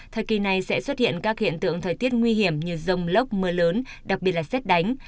thời kỳ này sẽ xuất hiện các hiện tượng thời tiết nguy hiểm như rông lốc mưa lớn đặc biệt là xét đánh